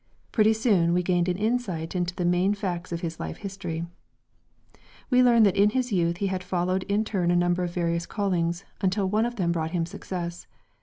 Pretty soon we gained an insight into the main facts of his life history. We learned that in his youth he had followed in turn a number of various callings, until one of them brought him success.